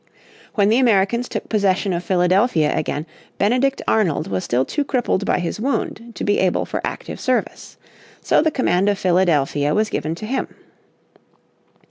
When the Americans took possession of Philadelphia again Benedict Arnold was still too crippled by his wound to be able for active service. So the command of Philadelphia was given to him.